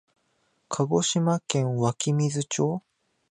鹿児島県湧水町